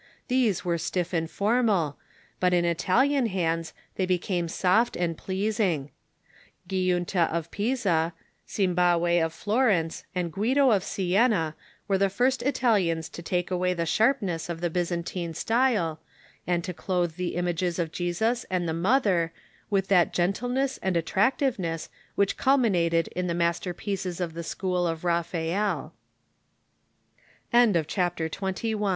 These were stiff and formal. But in Italian hands they became soft and pleasing. Giunta of Pisa, Cimabue of Florence, and Guido of Sienna were the first Italians to take away the sharpness of the Byzantine style, and to clothe the images of Jesus and the Mother with that gentleness and at tractiveness which culminated in the masterpieces of the school of Raphael, 166 THE MEDIEVAL CHURCH C